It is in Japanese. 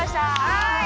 はい！